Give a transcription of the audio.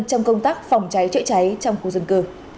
trong công tác phòng cháy trợ cháy trong khu dân cư